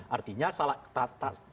artinya salah salah entry